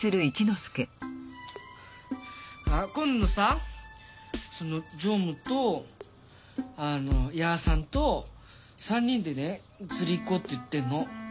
あ今度さその常務とヤーさんと３人でね釣り行こうって言ってんの。